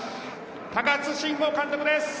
高津臣吾監督です。